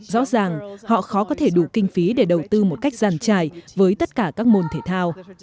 rõ ràng họ khó có thể đủ kinh phí để đầu tư một cách giàn trải với tất cả các môn thể thao